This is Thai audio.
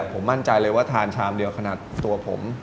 ผมมั่นใจเลยว่าทานชามเดียวขนาดตัวผม